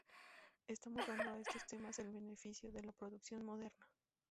Estamos dando a estos temas el beneficio de la producción moderna.